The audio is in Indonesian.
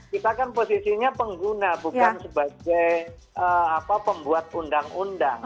kita kan posisinya pengguna bukan sebagai pembuat undang undang